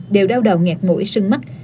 đều đau đào nghẹt mũi sưng mắt